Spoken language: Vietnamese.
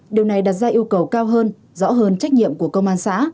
điều này đặt ra yêu cầu cao hơn rõ hơn trách nhiệm của công an xã